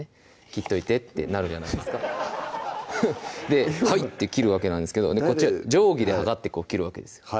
「切っといて」ってなるじゃないですか「はい」って切るわけなんですけどこっちは定規で測って切るわけですよ